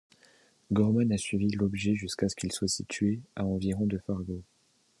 Gorman a suivi l'objet jusqu'à ce qu'il soit situé à environ de Fargo.